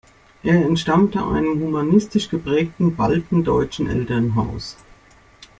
Er entstammte einem humanistisch geprägten baltendeutschen Elternhaus.